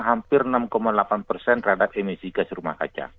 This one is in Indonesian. hampir enam delapan persen terhadap emisi gas rumah kaca